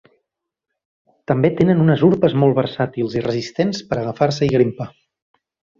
També tenen unes urpes molt versàtils i resistents per agafar-se i grimpar.